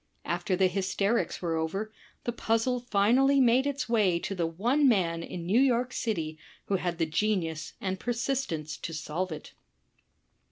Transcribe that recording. After the hysterics were over, the puzzle finally made its way to the one man in New York City who had the genius and persistence to solve it.